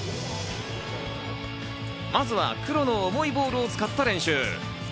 まずは黒の重いボールを使った練習。